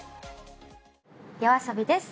ＹＯＡＳＯＢＩです！